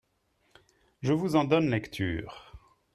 Je vous en donne lecture.